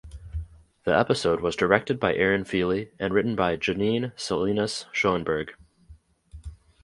The episode was directed by Erin Feeley and written by Janine Salinas Schoenberg.